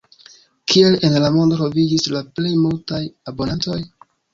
Kie en la mondo troviĝis la plej multaj abonantoj?